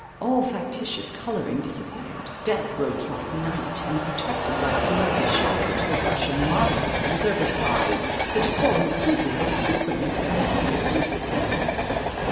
All factitious colouring disappeared—death rose like night, and, protected by its murky shadows the blush of modesty, the reserve of pride, the decorum of prudery were frequently thrown aside as useless veils.